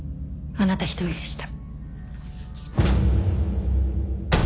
あなた１人でした。